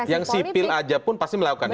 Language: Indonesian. yang sipil aja pun pasti melakukan itu